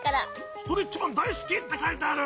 ストレッチマンだいすきってかいてある！